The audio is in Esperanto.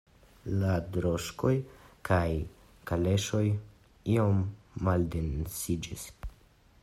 La droŝkoj kaj kaleŝoj iom maldensiĝis.